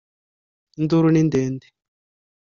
Induru ni ndende